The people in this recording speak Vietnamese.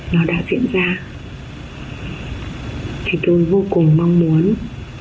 nó đã diễn ra